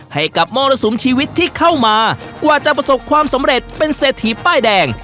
ให้กับมรสุมชีวิตที่เข้ามากว่าจะประสบความสำเร็จเป็นเศรษฐีป้ายแดง